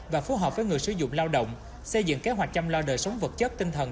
và phù hợp với người sử dụng lao động xây dựng kế hoạch chăm lo đời sống vật chất tinh thần